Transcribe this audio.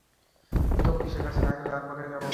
তো, পুলিশের কাছে না গেলে, আর কোথায় যাব?